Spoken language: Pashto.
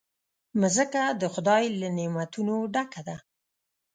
مځکه د خدای له نعمتونو ډکه ده.